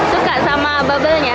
suka sama bubble nya